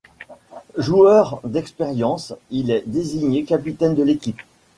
Joueur d'expérience, il est désigné capitaine de l'équipe.